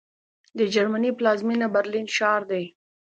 د جرمني پلازمېنه برلین ښار دی